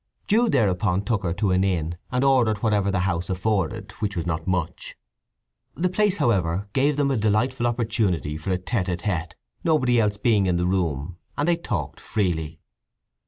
Jude thereupon took her to an inn and ordered whatever the house afforded, which was not much. The place, however, gave them a delightful opportunity for a tête à tête, nobody else being in the room, and they talked freely.